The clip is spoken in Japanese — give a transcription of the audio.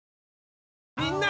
みんな！